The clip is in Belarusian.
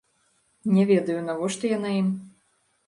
Не ведаю, навошта яна ім.